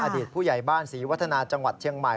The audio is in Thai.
อดีตผู้ใหญ่บ้านศรีวัฒนาจังหวัดเชียงใหม่